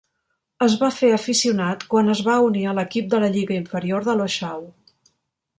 Es va fer aficionat quan es va unir a l'equip de la lliga inferior de Lochau.